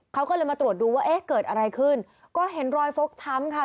เขาก็เลยมาตรวจดูว่าเอ๊ะเกิดอะไรขึ้นก็เห็นรอยฟกช้ำค่ะ